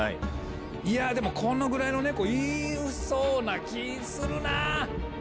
いやでもこのぐらいのネコいそうな気ぃするな。